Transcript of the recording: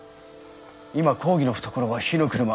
今公儀の懐は火の車。